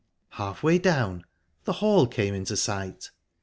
Halfway down, the hall came in sight...